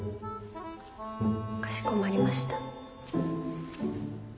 かしこまりました。